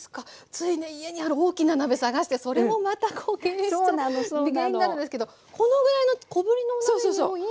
ついね家にある大きな鍋探してそれもまた敬遠しちゃう原因になるんですけどこのぐらいの小ぶりのお鍋でもいいんですね。